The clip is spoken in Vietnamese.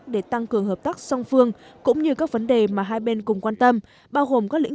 để tăng cường hợp tác song phương cũng như các vấn đề mà hai bên cùng quan tâm bao gồm các lĩnh